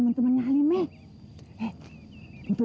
gak bakal jadi satu